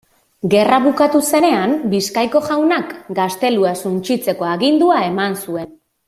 Gerra bukatu zenean, Bizkaiko jaunak gaztelua suntsitzeko agindua eman zuen.